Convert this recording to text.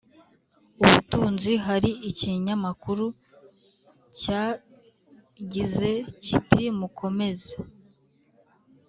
Ubutunzi Hari ikinyamakuru cyagize kiti mukomeze